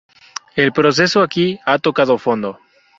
El proceso aquí ha tocado fondo.